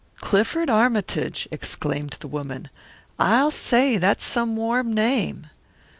"Clifford Armytage!" exclaimed the woman. "I'll say that's some warm name!"